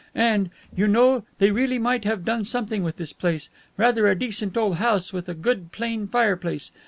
And, you know, they really might have done something with this place rather a decent old house, with a good plain fireplace.